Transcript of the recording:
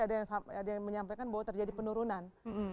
ada yang menyampaikan bahwa terjadi penurunan